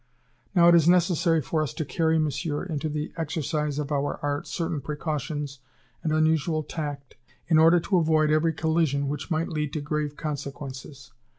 Now it is necessary for us to carry, Monsieur, into the exercise of our art certain precautions and unusual tact in order to avoid every collision which might lead to grave consequences.